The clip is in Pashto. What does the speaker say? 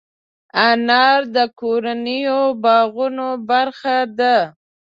انار د کورنیو باغونو برخه ده.